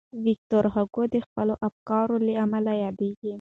ویکټور هوګو د خپلو افکارو له امله یادېږي.